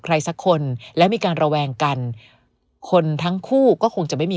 สักคนแล้วมีการระแวงกันคนทั้งคู่ก็คงจะไม่มี